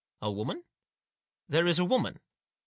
A woman ? There is a woman ?